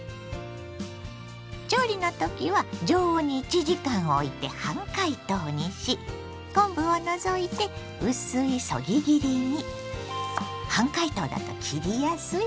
調理の時は常温に１時間おいて半解凍にし昆布を除いて薄いそぎ切りに。